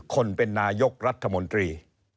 คนเป็นนายกรัฐมนตรี